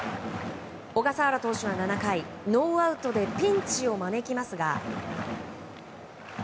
小笠原投手は７回、ノーアウトでピンチを招きますが。